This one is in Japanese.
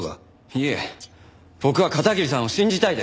いえ僕は片桐さんを信じたいです。